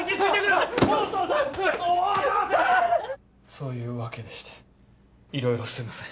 そういうわけでしていろいろすいません。